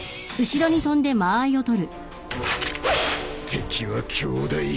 敵は強大！